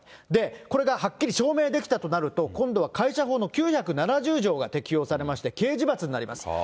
これがはっきり証明できたとなると、今度は会社法の９７０条が適用されまして、刑事罰になります。